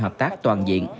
hợp tác toàn diện